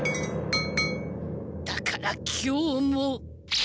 だから今日も。